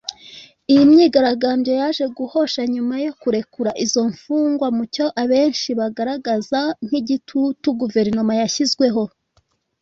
Iyi myigaragambyo yaje guhosha nyuma yo kurekura izo mfungwa mu cyo abenshi bagaragaza nk’igitutu Guverinoma yashyizweho